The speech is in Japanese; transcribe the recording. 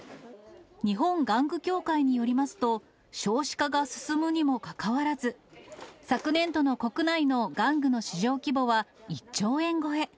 日本玩具協会によりますと、少子化が進むにもかかわらず、昨年度の国内の玩具の市場規模は１兆円超え。